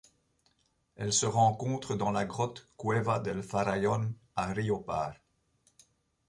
Elle se rencontre dans la grotte Cueva del Farallón à Riópar.